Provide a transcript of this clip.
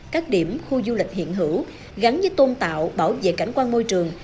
các điểm khu du lịch hiện hữu gắn với tôn tạo bảo vệ cảnh quan môi trường